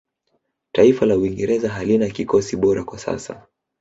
taifa la uingereza halina kikosi bora kwa sasa